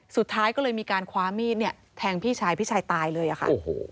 สุดท้ายก็เลยมีการคว้ามีดเนี่ยแทงพี่ชายพี่ชายตายเลยอะค่ะ